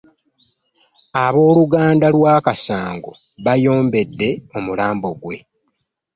Abooluganda lwa Kasango bayombedde omulambo gwe